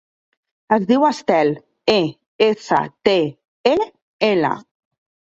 Es diu Estel: e, essa, te, e, ela.